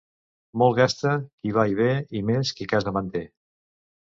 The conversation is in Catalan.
Molt gasta qui va i ve i més qui casa manté.